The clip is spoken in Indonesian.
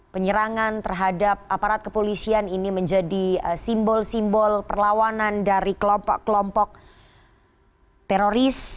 penyerangan terhadap aparat kepolisian ini menjadi simbol simbol perlawanan dari kelompok kelompok teroris